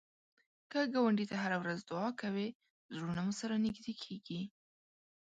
که ګاونډي ته هره ورځ دعا کوې، زړونه مو سره نږدې کېږي